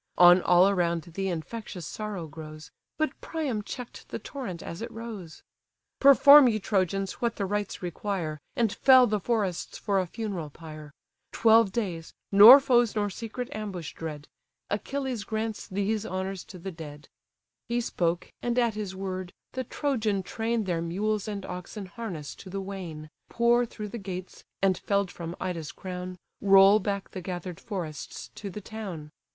On all around the infectious sorrow grows; But Priam check'd the torrent as it rose: "Perform, ye Trojans! what the rites require, And fell the forests for a funeral pyre; Twelve days, nor foes nor secret ambush dread; Achilles grants these honours to the dead." FUNERAL OF HECTOR He spoke, and, at his word, the Trojan train Their mules and oxen harness to the wain, Pour through the gates, and fell'd from Ida's crown, Roll back the gather'd forests to the town.